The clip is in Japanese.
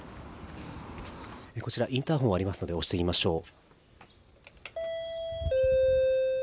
こちら、インターホンがありますので押してみましょう。